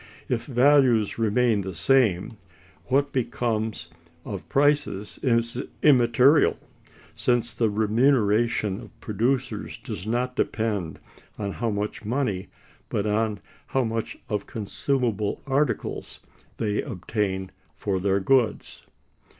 If values remain the same, what becomes of prices is immaterial, since the remuneration of producers does not depend on how much money, but on how much of consumable articles, they obtain for their goods.